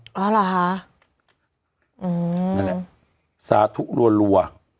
อืมนั่นแหละสาธุรัวรัว